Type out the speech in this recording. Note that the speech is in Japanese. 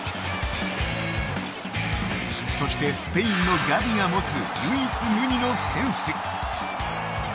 そして、スペインのガヴィが持つ唯一無二のセンス。